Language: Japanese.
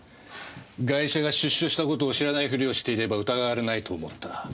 ガイシャが出所したことを知らないふりをしていれば疑われないと思った。